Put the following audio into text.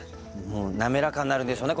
滑らかになるんでしょうね